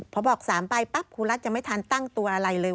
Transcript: พอบอก๓ใบปั๊บครูรัฐจะไม่ทันตั้งตัวอะไรเลย